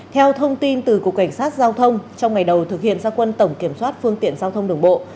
theo thông tin từ cục cảnh sát giao thông trong ngày đầu thực hiện gia quân tổng kiểm soát phương tiện giao thông đường bộ